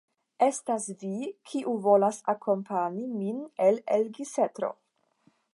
Estas vi, kiu volas akompani min al Elgisetro.